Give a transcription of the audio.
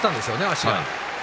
足が。